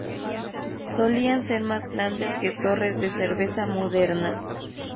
Solían ser más grandes que torres de cerveza modernas.